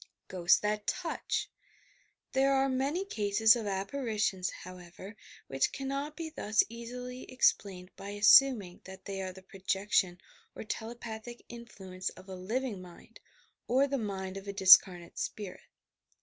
GHOSTS THAT TOUCH ! There are many cases of apparitions, however, which cannot be thus easily explained by assuming that they are the projection or telepathic influence of a living mind, or the mind of a discarnate spirit.